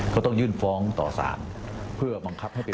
ก็ต้องยื่นฟ้องต่อสารเพื่อบังคับให้ไป